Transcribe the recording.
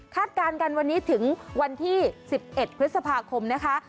การกันวันนี้ถึงวันที่๑๑พฤษภาคมนะคะ